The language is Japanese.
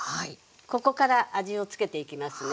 ここから味を付けていきますね。